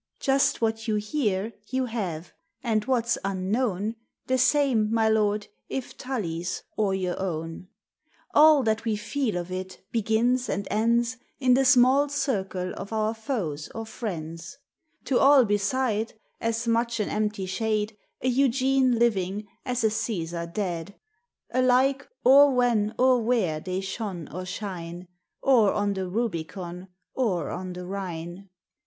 Just what you hear, you have ; and what 's unknown The same (my lord) if Tully's, or your own. All that we feel of it begins and ends In the small circle of our foes or friends ; To all beside, as much an empty shade A Eugene living as a Caesar dead ; Alike or when or where they shone or shine, Or on the Rubicon, or on the Rhine.